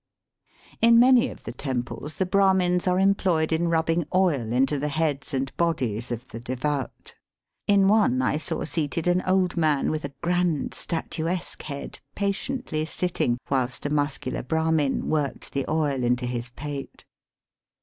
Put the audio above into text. In many of the temples the Brahmins are employed in rubbing oil into the heads and bodies of the devout. In one I saw seated an old man with a grand statuesque head patiently sitting whilst a muscular Brahmin worked the oil into his pate.